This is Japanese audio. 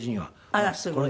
あらすごい。